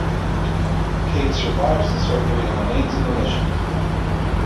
Kate survives the surgery and remains in remission.